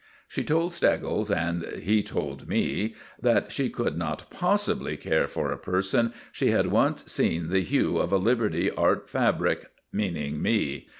She told Steggles, and he told me, that she could not possibly care for a person she had once seen the hue of a Liberty Art Fabric meaning me.